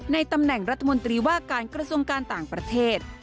ในตำแหน่งรัฐมนตรีว่าการกระทรวงการต่างประเทศ